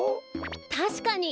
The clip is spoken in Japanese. たしかに。